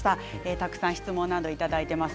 たくさん質問などいただいております。